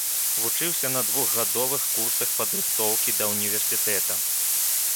Вучыўся на двухгадовых курсах падрыхтоўкі да ўніверсітэта.